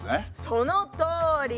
そのとおり！